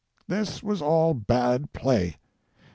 This was all bad play.